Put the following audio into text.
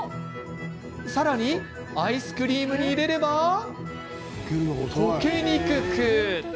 さらにアイスクリームに入れればとけにくく。